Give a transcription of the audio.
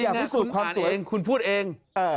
คุณอ่านเองคุณพูดเอง